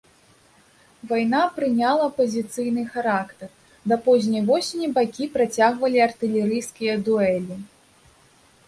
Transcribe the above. Вайна прыняла пазіцыйны характар, да позняй восені бакі працягвалі артылерыйскія дуэлі.